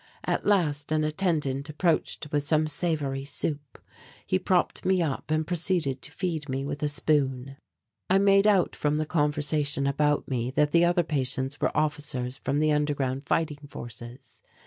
At last an attendant approached with some savoury soup; he propped me up and proceeded to feed me with a spoon. I made out from the conversation about me that the other patients were officers from the underground fighting forces.